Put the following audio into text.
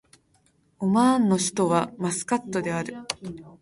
オマーンの首都はマスカットである